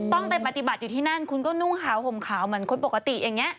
ต้องไปปฏิบัติอยู่ที่นั่นคุณก็นุ่งขาวห่มขาวเหมือนคนปกติอย่างนี้